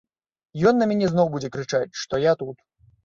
Ён на мяне зноў будзе крычаць, што я тут.